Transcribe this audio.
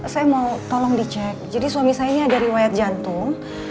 saya mau tolong dicek jadi suami saya ini ada riwayat jantung